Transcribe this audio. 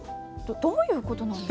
どういうことなんです？